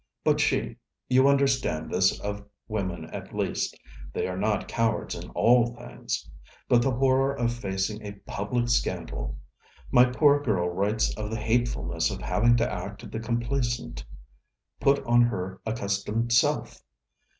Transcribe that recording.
But she... you understand this of women at least; they are not cowards in all things! but the horror of facing a public scandal: my poor girl writes of the hatefulness of having to act the complacent put on her accustomed self!